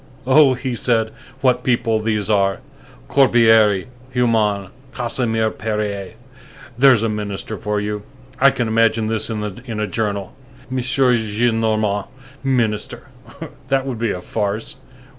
"Oh!" he said, "what people these are! Corbière! Humann! Casimir Périer! There's a minister for you! I can imagine this in a journal: 'M. Gillenorman, minister!' that would be a farce.